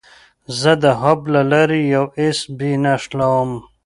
زه د هب له لارې یو ایس بي نښلوم.